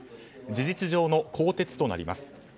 事実上の更迭となります。